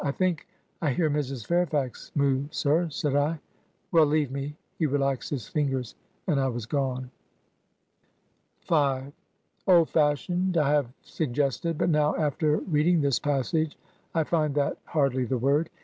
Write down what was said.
'I think I hear Mrs. Fairfax move, sir,' said I. 'Well, leave me.' He relaxed his fingers and I was gone.'' Old fashioned, I have suggested ; but now, after read ing this passage, I find that hardly the word.